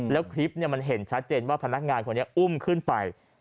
แล้วคลิปมันเห็นชัดเจนว่าพนักงานคนนี้อุ้มขึ้นไป